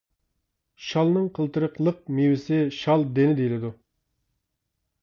شالنىڭ قىلتىرىقلىق مېۋىسى شال دېنى دېيىلىدۇ.